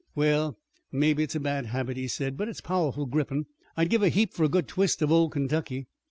"Well, mebbe it's a bad habit," he said, "but it's powerful grippin'. I'd give a heap for a good twist of old Kentucky.